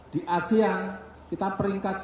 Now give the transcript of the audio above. di asean kita peringkat sepuluh